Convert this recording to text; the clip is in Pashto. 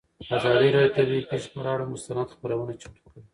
ازادي راډیو د طبیعي پېښې پر اړه مستند خپرونه چمتو کړې.